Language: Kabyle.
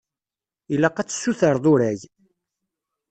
Ilaq ad tessutreḍ urag.